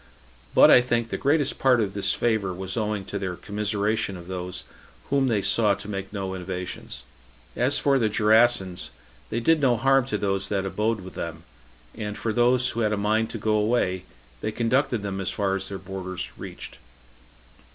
But I think the greatest part of this favor was owing to their commiseration of those whom they saw to make no innovations. As for the Gerasans, they did no harm to those that abode with them; and for those who had a mind to go away, they conducted them as far as their borders reached.